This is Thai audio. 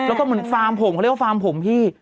แล้วก็เหมือนฟาร์มผมเขาเรียกว่าฟาร์มผมพี่